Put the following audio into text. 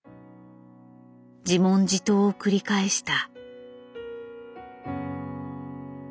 自問自答を繰り返した。